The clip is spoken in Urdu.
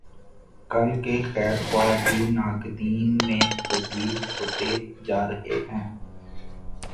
کل کے خیر خواہ بھی ناقدین میں تبدیل ہوتے جارہے ہیں۔